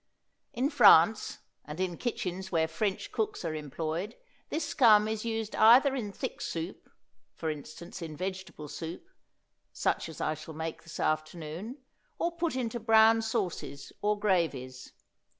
In France, and in kitchens where French cooks are employed, this scum is used either in thick soup for instance, in vegetable soup, such as I shall make this afternoon or put into brown sauces or gravies.